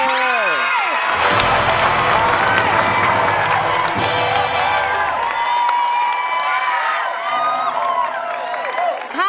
ข้ามเพลงนี้ไปเลย